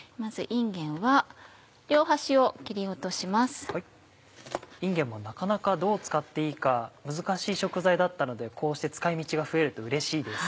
いんげんはなかなかどう使っていいか難しい食材だったのでこうして使い道が増えるとうれしいです。